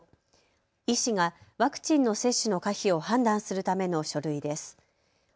医師がワクチンの接種の可否を判断するための書類です。